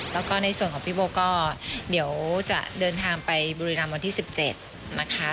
แล้วก็ในส่วนของพี่โบก็เดี๋ยวจะเดินทางไปบุรีรำวันที่๑๗นะคะ